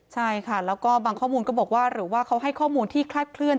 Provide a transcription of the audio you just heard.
ใช่ค่ะแล้วก็บางข้อมูลก็บอกว่าหรือว่าเขาให้ข้อมูลที่คลาดเคลื่อ